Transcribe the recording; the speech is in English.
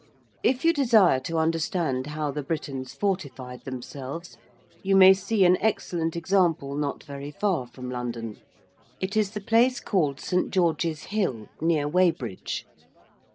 If you desire to understand how the Britons fortified themselves, you may see an excellent example not very far from London. It is the place called St. George's Hill, near Weybridge.